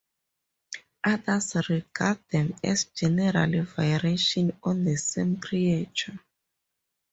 Others regard them as regional variations on the same creature.